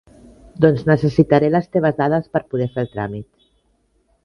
Doncs necessitaré les teves dades per poder fer el tràmit.